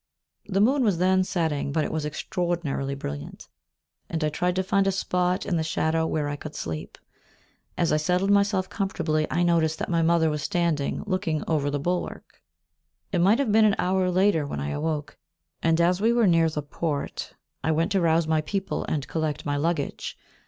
The moon was then setting, but it was extraordinarily brilliant, and I tried to find a spot in the shadow where I could sleep. As I settled myself comfortably, I noticed that my mother was standing, looking over the bulwark. It might have been an hour later when I awoke, and, as we were near the port, I went to rouse my people and collect my luggage.